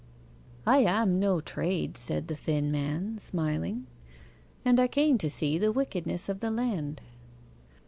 'I am no trade,' said the thin man, smiling, 'and I came to see the wickedness of the land.